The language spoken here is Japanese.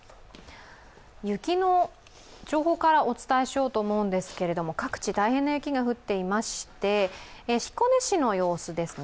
雪の情報からお伝えしようと思うんですけれども、各地、大変な雪が降っていまして彦根市の様子ですね。